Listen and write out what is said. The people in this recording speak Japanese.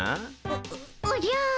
おおじゃ。